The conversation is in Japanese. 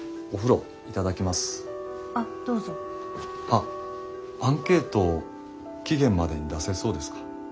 あっアンケート期限までに出せそうですか？